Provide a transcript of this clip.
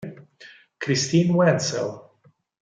Christine Wenzel